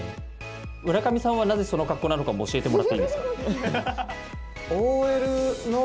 村上さんはなぜその格好なのかも教えてもらっていいですか？